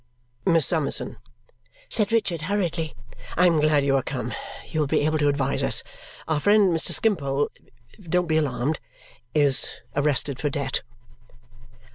"Miss Summerson," said Richard hurriedly, "I am glad you are come. You will be able to advise us. Our friend Mr. Skimpole don't be alarmed! is arrested for debt."